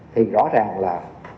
thì rõ ràng là